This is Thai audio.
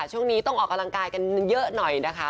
ช่วงนี้ต้องออกกำลังกายกันเยอะหน่อยนะคะ